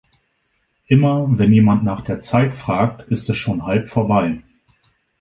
Immer, wenn jemand nach der Zeit fragt, ist es schon halb vorbei.